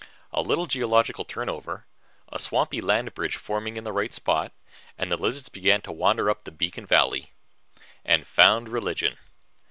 A little geological turnover, a swampy land bridge formed in the right spot, and the lizards began to wander up beacon valley. And found religion.